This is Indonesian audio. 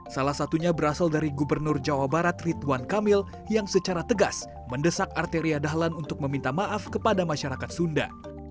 salah satunya berasal dari gubernur jawa barat rituan kamil yang secara tegas mendesak arteria dahlan untuk meminta maaf kepada masyarakat sunda